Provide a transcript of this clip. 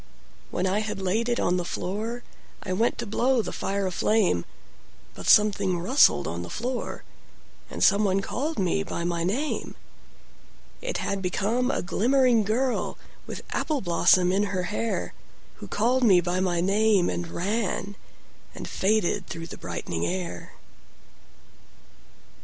When I had laid it on the floorI went to blow the fire a flame, But something rustled on the floor, And someone called me by my name:It had become a glimmering girlWith apple blossom in her hairWho called me by my name and ranAnd faded through the brightening air.